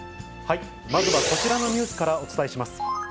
まずはこちらのニュースからお伝えします。